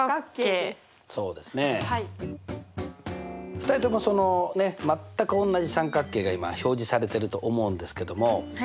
２人とも全くおんなじ三角形が今表示されてると思うんですけども。